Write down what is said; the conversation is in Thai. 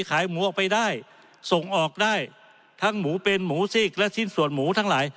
ขายหมูออกไปได้ส่งออกได้ทั้งหมูเป็นหมูซีกและชิ้นส่วนหมูทั้งหลาย